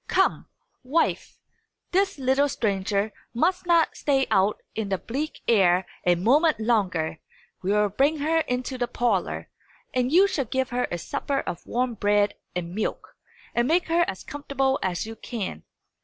Come, wife; this little stranger must not stay out in the bleak air a moment longer. We will bring her into the parlour; and you shall give her a supper of warm bread and milk, and make her as comfortable as you can.